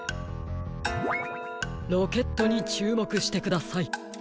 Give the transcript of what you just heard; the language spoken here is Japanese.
ロケットにちゅうもくしてください。